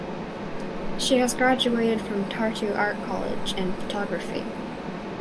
She has graduated from Tartu Art College in photography.